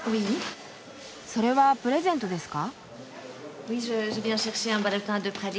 それはプレゼントですか？